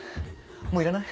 もういらない？